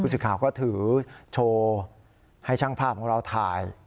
พูดสิทธิ์ข่าวก็ถือโชว์ให้ช่างภาพของเราถ่ายค่ะ